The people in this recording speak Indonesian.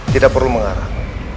tidak perlu mengharap